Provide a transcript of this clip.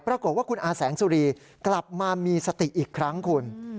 ปรากฏว่าคุณอาแสงสุรีกลับมามีสติอีกครั้งคุณ